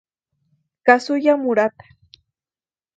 Kazuya Murata